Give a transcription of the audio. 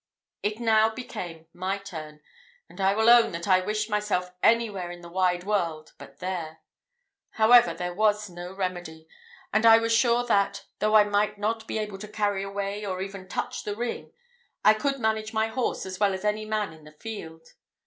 It now became my turn; and I will own that I wished myself anywhere in the wide world but there. However, there was no remedy; and I was very sure that, though I might not be able to carry away, or even touch the ring, I could manage my horse as well as any man in the field.